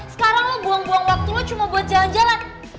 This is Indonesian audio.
sekarang lo buang buang waktu lo cuma buat jalan jalan